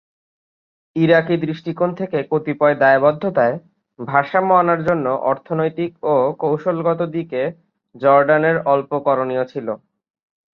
ইরাকি দৃষ্টিকোণ থেকে কতিপয় দায়বদ্ধতায় ভারসাম্য আনার জন্য অর্থনৈতিক ও কৌশলগত দিকে জর্ডানের অল্প করণীয় ছিল।